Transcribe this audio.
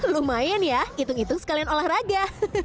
lumayan ya hitung hitung sekalian olahraga